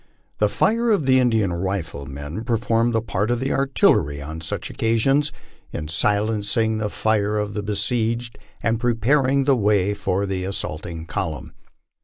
The fire of the Indian riflemen performed the part \jf the artillery on such occasions, in silencing the fire of the besieged and preparing the way for the assaulting column.